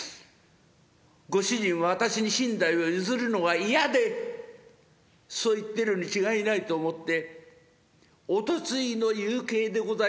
ご主人は私に身代を譲るのが嫌でそう言ってるに違いないと思っておとついの夕景でございました。